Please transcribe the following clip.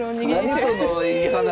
なにそのいい話！